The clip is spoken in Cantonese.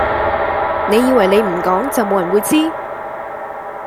你以為你唔講就冇人會知？